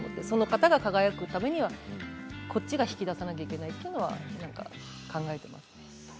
その方が輝くためにもこちらが引き出さなくてはいけないということは考えています。